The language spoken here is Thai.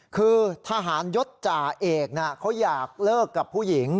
คือทหารยศจ่าเอกเขาอยากเลิกกับผู้หญิง